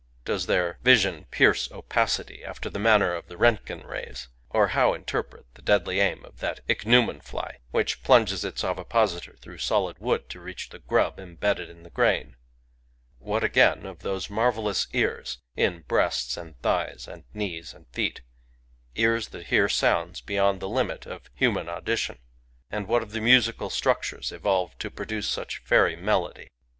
does their vision pierce opacity, after the manner of the Rontgen rays? (Or how interpret the deadly aim of that ichneumon fly which plunges its ovipositor through solid wood to reach the grub embedded in the grain?) What, again, of those marvellous ears in breasts and thighs and knees and feet, — ears that hear sounds beyond the limit of human audi tion ? and what of the musical structures evolved to produce such fairy melody ?